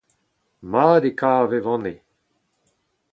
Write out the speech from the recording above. mat e kav e vanne